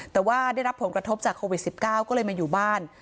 แต่ว่าได้รับผลกระทบจากโควิด๑๙ก็เลยมาอยู่บ้าน